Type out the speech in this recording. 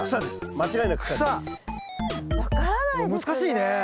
難しいね。